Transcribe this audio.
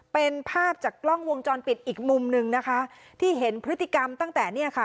เป็นภาพจากกล้องวงจรปิดอีกมุมหนึ่งนะคะที่เห็นพฤติกรรมตั้งแต่เนี่ยค่ะ